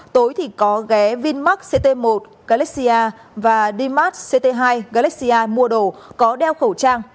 tối thì có ghé vinmark ct một galaxy a và dimark ct hai galaxy a mua đồ có đeo khẩu trang